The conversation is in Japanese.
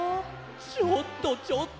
ちょっとちょっと！